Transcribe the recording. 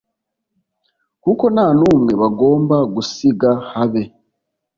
kuko nta n umwe bagomba gusiga habe